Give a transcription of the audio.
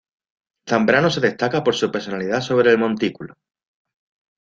Zambrano se destaca por su personalidad sobre el montículo.